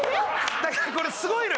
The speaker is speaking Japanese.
だからこれすごいのよ